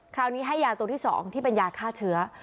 คราวนี้ให้ยาตัวที่๒ที่เป็นยาฆ่าเชื้อ